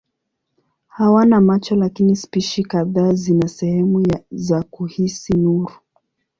Hawana macho lakini spishi kadhaa zina sehemu za kuhisi nuru.